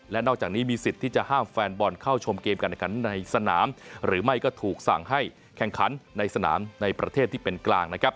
และนอกจากนี้มีสิทธิ์ที่จะห้ามแฟนบอลเข้าชมเกมการแข่งขันในสนามหรือไม่ก็ถูกสั่งให้แข่งขันในสนามในประเทศที่เป็นกลางนะครับ